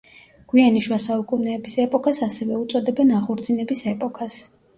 გვიანი შუა საუკუნეების ეპოქას ასევე უწოდებენ აღორძინების ეპოქას.